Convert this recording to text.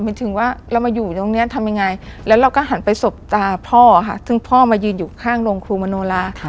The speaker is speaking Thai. ถึงว่าเรามาอยู่ตรงนี้ทำยังไงแล้วเราก็หันไปสบตาพ่อค่ะซึ่งพ่อมายืนอยู่ข้างโรงครูมโนลา